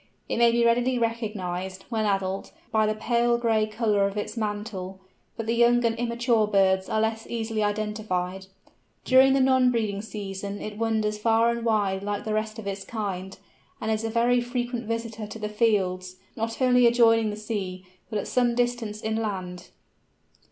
It may be readily recognised, when adult, by the pale grey colour of its mantle, but the young and immature birds are less easily identified. During the non breeding season it wanders far and wide like the rest of its kind, and is a very frequent visitor to the fields, not only adjoining the sea, but at some distance inland.